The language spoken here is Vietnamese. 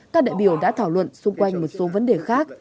các đại biểu đã thảo luận xung quanh một số vấn đề khác